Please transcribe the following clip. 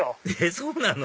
そうなの？